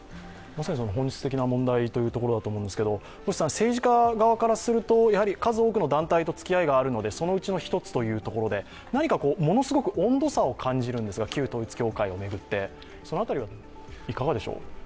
まさに本質的な問題というところだと思うんですけれども、政治家側からすると数多くの団体と付き合いがあるのでそのうちの一つということて何かものすごく温度差を感じるんですが、旧統一教会を巡って、その辺りはいかがでしょう？